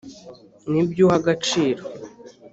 n ibyo uha agaciro